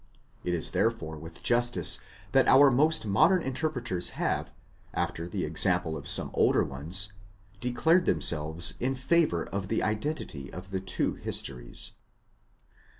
It is therefore with justice that our most modern interpreters have, after the example of some older ones, declared themselves in favour of the identity of the two histories.